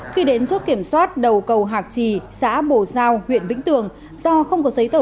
khi đến chốt kiểm soát đầu cầu hạc trì xã bồ giao huyện vĩnh tường do không có giấy tờ